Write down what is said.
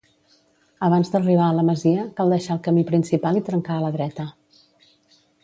Abans d'arribar a la masia, cal deixar el camí principal i trencar a la dreta.